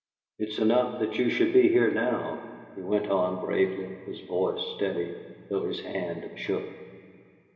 "It's enough that you should be here now," he went on, bravely, his voice steady, though his hand shook.